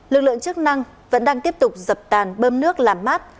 lực lượng chức năng vẫn đang tiếp tục dập tàn bơm nước làm mát